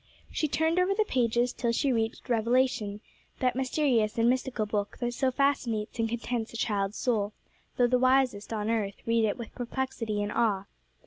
She turned over the pages till she reached Revelation, that mysterious and mystical book that so fascinates and contents a child's soul, though the wisest on earth read it with perplexity and awe.